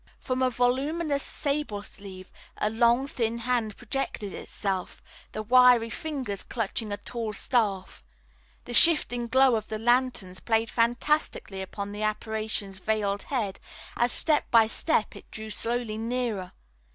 From a voluminous sable sleeve, a long thin hand projected itself, the wiry fingers clutching a tall staff. The shifting glow of the lanterns played fantastically upon the apparition's veiled head as, step by step, it drew slowly nearer.